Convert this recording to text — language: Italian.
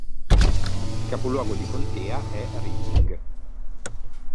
Il capoluogo di contea è Reading.